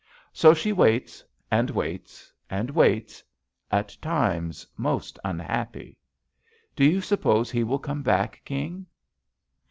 So she waits, and waits, and waits, at times most unhappy. Do you suppose he will come back. King?"